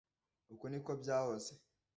Uku niko byahoze.